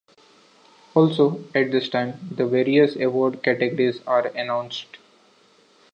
Also at this time, the various award categories are announced.